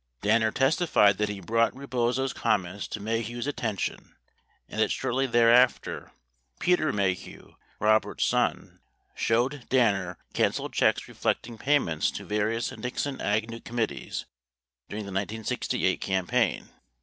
28 Danner testified that he brought Rebozo's comments to Maheu 's attention and that shortly thereafter Peter Maheu, Robert's son, showed Danner cancelled checks reflecting payments to various Nixon Agnew committees during the 1968 campaign.